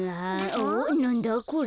おっなんだこれ？